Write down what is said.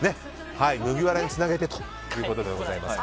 麦わらにつなげてということでございます。